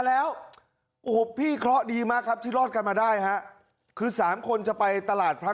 แล้วโอ้โหพี่เคราะห์ดีมากครับที่รอดกันมาได้ฮะคือสามคนจะไปตลาดพระ